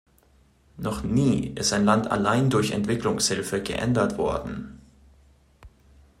Noch nie ist ein Land allein durch Entwicklungshilfe geändert worden.